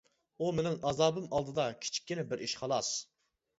ئۇ مېنىڭ ئازابىم ئالدىدا كىچىككىنە بىر ئىش، خالاس.